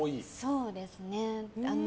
そうですね。